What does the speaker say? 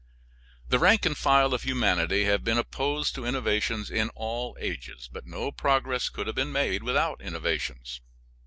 The rank and file of humanity have been opposed to innovations in all ages, but no progress could have been made without innovations.